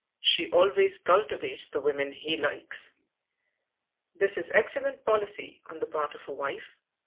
She always cultivates the women he likes. This is excellent policy on the part of a wife.